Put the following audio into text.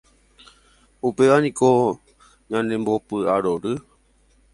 Upévaniko ñanembopy'arory